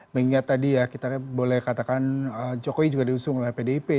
mengingat tadi ya kita boleh katakan jokowi juga diusung oleh pdip